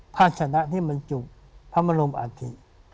พาชนะที่มันจุบพระมรมอธิ